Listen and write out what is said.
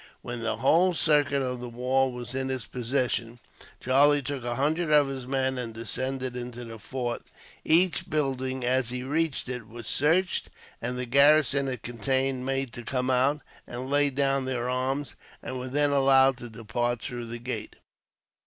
When the whole circuit of the walls was in his possession, Charlie took a hundred of his men, and descended into the fort. Each building, as he reached it, was searched; and the garrison it contained made to come out, and lay down their arms, and were then allowed to depart through the gate.